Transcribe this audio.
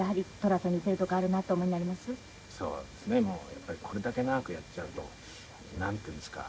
やっぱりこれだけ長くやっちゃうと。なんていうんですか。